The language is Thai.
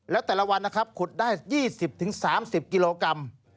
แล้วแต่ละวันนะครับขุดได้๒๐๓๐กิโลกรัม